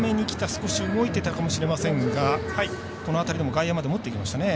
少し動いてたかもしれませんがこの当たりでも外野まで持っていきましたね。